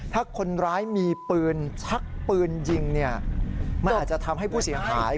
ถ้าคนร้ายมีปืนชักปืนยิงเนี่ยมันอาจจะทำให้ผู้เสียหาย